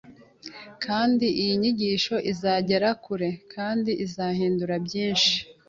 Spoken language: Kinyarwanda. kandi iyi nyigisho izagera kure kandi izahindura byinshi